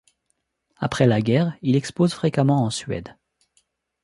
Après la Guerre, il expose fréquemment en Suède.